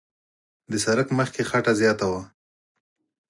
د سړک مخ کې خټه زیاته وه.